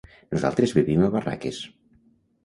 Nosaltres vivim a Barraques.